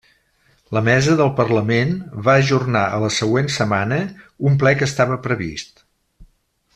La mesa del Parlament va ajornar a la següent setmana un ple que estava previst.